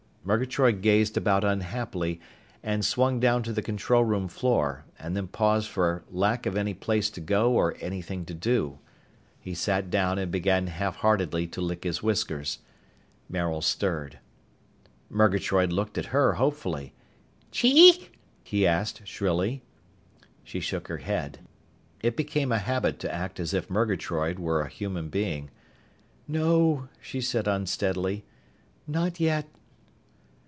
Murgatroyd gazed about unhappily, and swung down to the control room floor, and then paused for lack of any place to go or anything to do. He sat down and began half heartedly to lick his whiskers. Maril stirred. Murgatroyd looked at her hopefully. "Chee?" he asked shrilly. She shook her head. It became a habit to act as if Murgatroyd were a human being. "No," she said unsteadily. "Not yet."